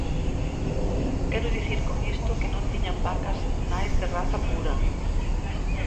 Quero dicir con isto que non tiñan vacas nais de raza pura.